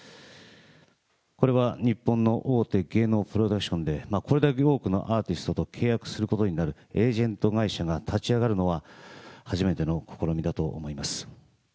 これは日本の大手芸能プロダクションでこれだけ多くのアーティストと契約することになるエージェント会社が立ち上がるのは、初めての試みだと思います。